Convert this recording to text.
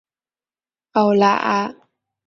奥拉阿。